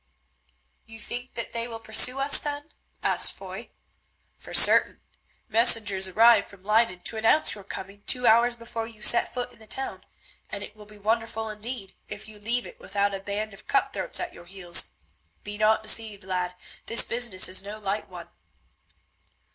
"You think that they will pursue us, then?" asked Foy. "For certain. Messengers arrived from Leyden to announce your coming two hours before you set foot in the town, and it will be wonderful indeed if you leave it without a band of cut throats at your heels. Be not deceived, lad, this business is no light one."